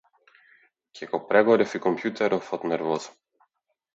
Ќе го прегорев и компјутеров од нервоза!